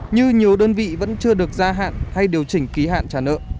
như nhiều đơn vị vẫn chưa được gia hạn hay điều chỉnh ký hạn trả nợ